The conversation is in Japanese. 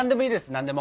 何でも！